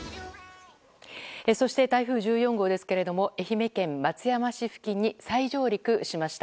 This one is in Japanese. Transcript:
そして、台風１４号ですが愛媛県松山市付近に再上陸しました。